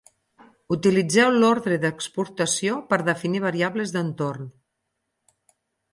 Utilitzeu l'ordre d'exportació per definir variables d'entorn.